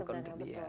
bukan untuk dia